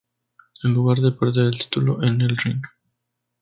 En lugar de perder el título en el ring.